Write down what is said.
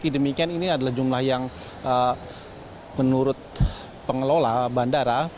demikian ini adalah jumlah yang menurut pengelola bandara